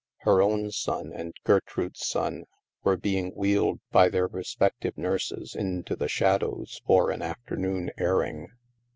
Her own son and Gertrude's son were being wheeled by their respective nurses into the shadows for an afternoon airing.